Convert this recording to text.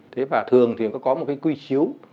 thế và thường thì có một cái quy chiếu